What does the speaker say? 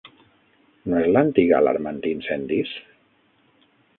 ¿No és l'antiga alarma antiincendis?